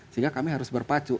sehingga kami harus berpacu